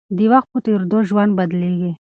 د وخت په تېرېدو ژوند بدلېږي.